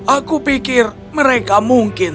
aku pikir mereka mau mencari kucing